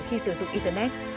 khi sử dụng internet